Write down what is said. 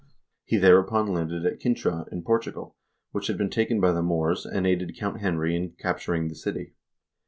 2 He there upon landed at Cintra in Portugal, which had been taken by the Moors, and aided Count Henry in capturing the city.